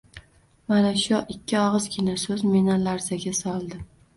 Mana shu ikki og`izgina so`z meni larzaga soldi